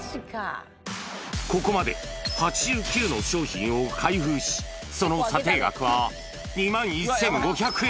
ここまで８９の商品を開封し、その査定額は２万１５００円。